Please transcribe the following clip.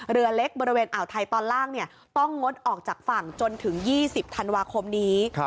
เรือเล็กบริเวณอ่าวไทยตอนล่างต้องงดออกจากฝั่งจนถึง๒๐ธันวาคมนี้